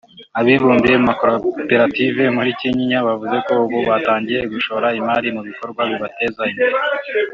Abibumbiye mu makoperative muri Kinyinya bavuze ko ubu batangiye gushora imari mu bikorwa bibateza imbere